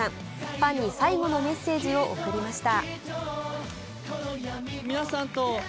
ファンに最後のメッセージを送りました。